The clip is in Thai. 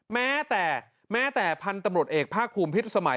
แม้แต่แม้แต่พันธุ์ตำรวจเอกภาคภูมิพิษสมัย